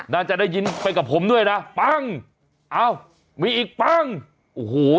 น่าจะได้ยินไปกับผมด้วยนะปั้งเอ้ามีอีกปั้งโอ้โห